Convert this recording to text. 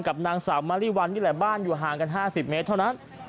กับนางสาวมาริวัลนี่แหละบ้านอยู่ห่างกัน๕๐เมตรเท่านั้น